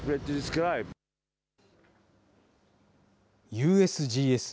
ＵＳＧＳ